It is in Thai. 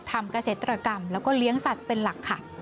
เกษตรกรรมแล้วก็เลี้ยงสัตว์เป็นหลักค่ะ